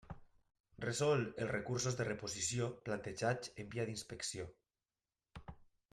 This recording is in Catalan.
Resol els recursos de reposició plantejats en via d'inspecció.